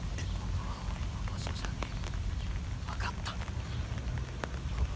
ここは俺の場所じゃねえ。